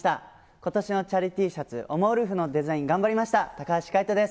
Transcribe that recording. ことしのチャリＴシャツ、おもウルフのデザイン頑張りました、高橋海人です。